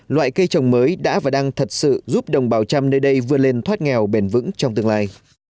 loại cây trồng mới đã và đang thật sự giúp đồng bào trăm nơi đây vươn lên thoát nghèo bền vững trong tương lai